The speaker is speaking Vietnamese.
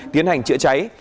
tiến hành trịa cháy